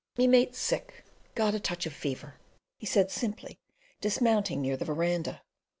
"Me mate's sick; got a touch of fever," he said simply dismounting near the verandah.